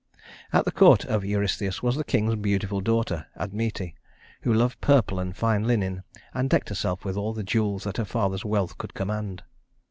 At the court of Eurystheus was the king's beautiful daughter, Admete, who loved purple and fine linen, and decked herself with all the jewels that her father's wealth could command.